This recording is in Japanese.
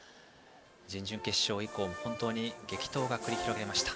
準々決勝以降本当に激闘が繰り広げられました。